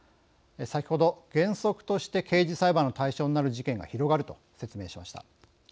先ほど原則として刑事裁判の対象になる事件が広がると説明しました。